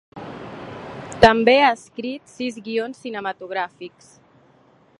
També ha escrit sis guions cinematogràfics.